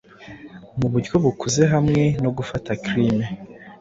Muburyo bukuzehamwe nogufata clime